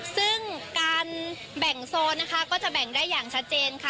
ซึ่งการแบ่งโซนนะคะก็จะแบ่งได้อย่างชัดเจนค่ะ